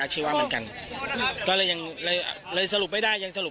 ชีวะเหมือนกันก็เลยยังเลยเลยสรุปไม่ได้ยังสรุป